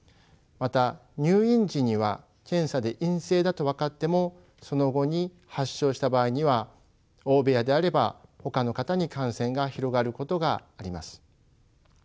また入院時には検査で陰性だと分かってもその後に発症した場合には大部屋であればほかの方に感染が広がることがあります。